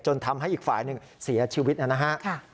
ทำให้อีกฝ่ายหนึ่งเสียชีวิตนะครับ